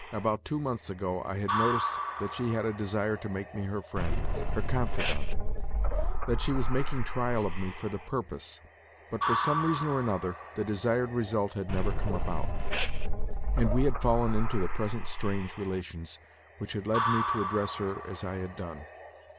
About two months ago, I had noticed that she had a desire to make me her friend, her confidant—that she was making trial of me for the purpose; but, for some reason or another, the desired result had never come about, and we had fallen into the present strange relations, which had led me to address her as I had done.